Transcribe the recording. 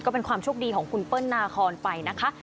ก็เป็นความโชคดีของคุณเปิ้ลนาคอนไปนะคะ